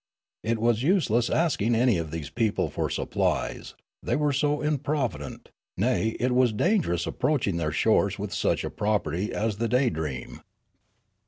It was useless asking any of these peoples for .supplies, they were so im provident ; nay, it was dangerous approaching their shores with such a property as the Daydream.